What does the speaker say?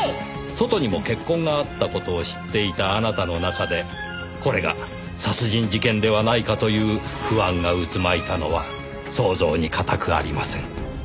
外にも血痕があった事を知っていたあなたの中でこれが殺人事件ではないかという不安が渦巻いたのは想像に難くありません。